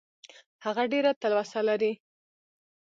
هغه ډېره تلوسه لري .